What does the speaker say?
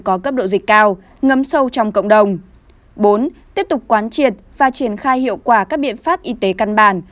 có cấp độ dịch cao ngấm sâu trong cộng đồng bốn tiếp tục quán triệt và triển khai hiệu quả các biện pháp y tế căn bản